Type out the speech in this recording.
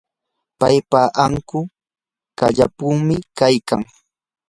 paypa ankun kallpayuqmi kaykan.